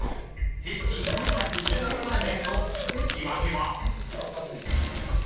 平均４２０万円の内訳は？］